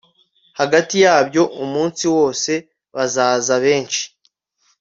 Hagati yabyo umunsi wose bazaza benshi